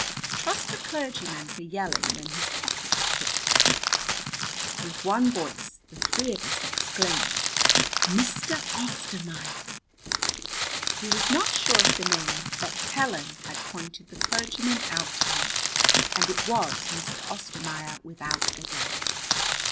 "Trust a clergyman for yelling when his pocket's picked." With one voice the three of us exclaimed: "Mr. Ostermaier!" He was not sure of the name, but "Helen" had pointed the clergyman out to him, and it was Mr. Ostermaier without a doubt.